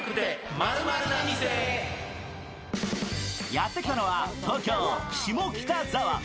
やってきたのは東京・下北沢。